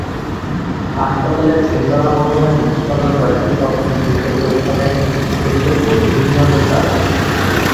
হাসপাতালের তিনতলা ভবনের নিচতলার কয়েকটি কক্ষে সীমিত পরিসরে চলছে বহির্বিভাগের কাজ।